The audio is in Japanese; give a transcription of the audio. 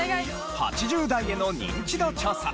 ８０代へのニンチド調査。